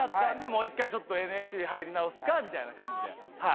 もう一回ちょっとＮＳＣ入り直すかみたいな感じでは